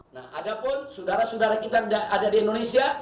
nah ada pun saudara saudara kita ada di indonesia